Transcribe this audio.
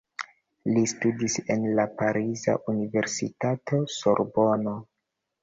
Li studis en la pariza universitato Sorbono.